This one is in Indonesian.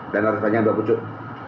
dan larus panjang dua pucuk